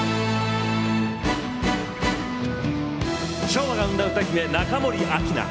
昭和が生んだ歌姫中森明菜。